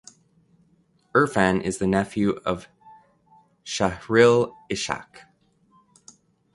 Irfan is the nephew of Shahril Ishak.